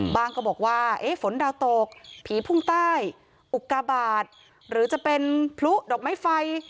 บางก็บอกว่าฝนดาวตกผีภูมิใต้อุกกาบาดหรือจะเป็นพลุดอกไม้ไฟ